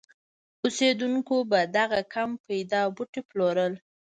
اوسېدونکو به دغه کم پیدا بوټي پلورل.